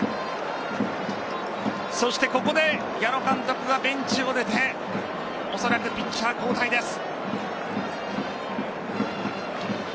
そしてここで矢野監督がベンチを出ておそらくピッチャー交代です。